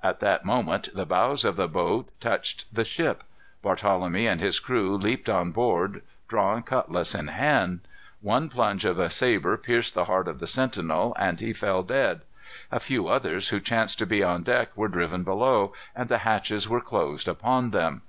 At that moment the bows of the boat touched the ship. Barthelemy and his crew leaped on board, drawn cutlass in hand. One plunge of a sabre pierced the heart of the sentinel, and he fell dead. A few others who chanced to be on deck were driven below, and the hatches were closed upon them.